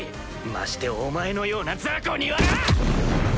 ましてお前のような雑魚にはな！